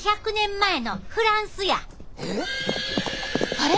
あれ？